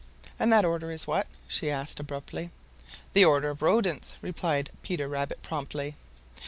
And that order is what?" she asked abruptly. "The order of Rodents," replied Peter Rabbit promptly.